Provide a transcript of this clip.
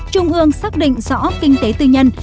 trung ương xác định rõ kinh tế tư nhân